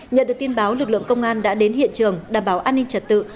nhận được tin báo lực lượng công an đã đến hiện trường đảm bảo an ninh trật tự